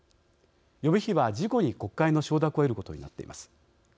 予備費は事後に国会の承諾を得ることになっています。